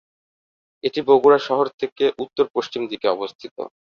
এটি বগুড়া শহর থেকে উত্তর পশ্চিম দিকে অবস্থিত।